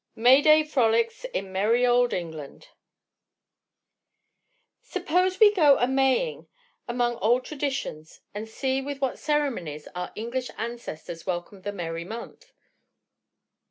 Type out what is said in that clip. MAY DAY FROLICS IN MERRY OLD ENGLAND Suppose we "go a Maying" among old traditions and see with what ceremonies our English ancestors welcomed the "merry month."